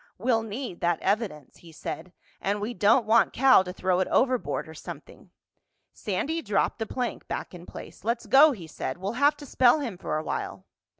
"We'll need that evidence," he said, "and we don't want Cal to throw it overboard or something." Sandy dropped the plank back in place. "Let's go," he said. "We'll have to spell him for a while."